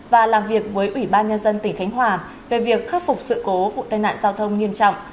và làm việc với ủy ban nhân dân tỉnh khánh hòa về việc khắc phục sự cố vụ tai nạn giao thông nghiêm trọng